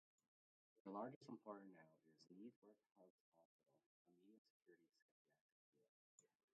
The largest employer now is Kneesworth House Hospital, a medium security psychiatric unit.